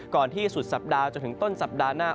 ที่สุดสัปดาห์จนถึงต้นสัปดาห์หน้า